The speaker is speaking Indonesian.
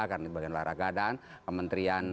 karena itu bagian olahraga dan kementerian